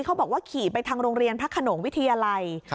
เขาบอกว่าขี่ไปทางโรงเรียนพระขนงวิทยาลัย